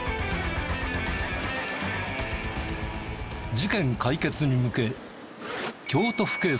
事件解決に向け京都府警察